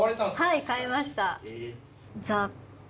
はい買いました。